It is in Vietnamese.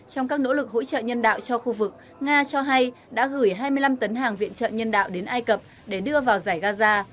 trong các nỗ lực hỗ trợ nhân đạo cho khu vực nga cho hay đã gửi hai mươi năm tấn hàng viện trợ nhân đạo đến ai cập để đưa vào giải gaza